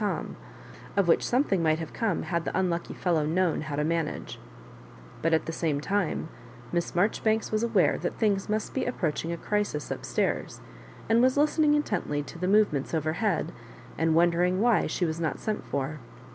Tom, of which something might have come had the unlucky fellow known how to managa But, at the same time; Miss Marjoribanks was aware that things must be approaching a crisis up stairs, and was listening intently to the move ments overhead, and wondering why she was not sent for.